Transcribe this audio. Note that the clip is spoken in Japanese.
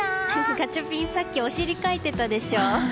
ガチャピン、さっきお尻かいてたでしょ？